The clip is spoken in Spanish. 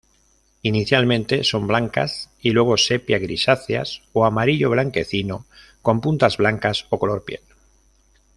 Inicialmente son blancas y luego sepia-grisáceas o amarillo-blanquecino, con puntas blancas o color piel.